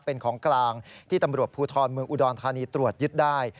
เป็นของกลางที่ตำรวจภูทรเมืองอุดรธานีตรวจยึดได้